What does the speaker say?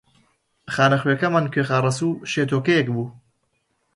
خانەخوێکەمان کوێخا ڕەسوو شێتۆکەیەک بوو